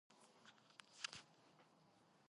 ილუსტრაციები ეკუთვნოდა ოსკარ შმერლინგს.